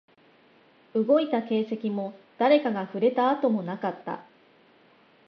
動いた形跡も、誰かが触れた跡もなかった